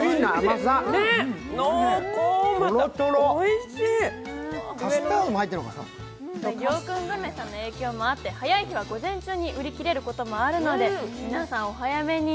りょうくんグルメさんの影響もあって、早い日は午前中に売り切れることもあるので皆さんお早めに。